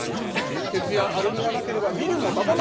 鉄やアルミがなければビルも建たない。